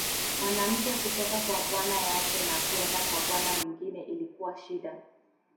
Mwanamke kutoka kwa bwana yake na kwenda kwa bwana mwingine ilikuwa shida.